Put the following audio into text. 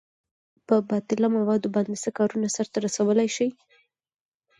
په باطله موادو باندې څه کارونه سرته رسولئ شئ؟